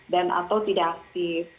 dan atau tidak aktif